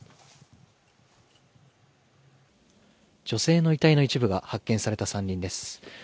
女性の遺体の一部が発見された山林です。